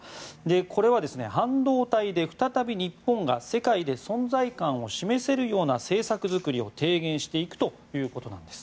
これは半導体で再び日本が世界で存在感を示せるような政策作りを提言していくということです。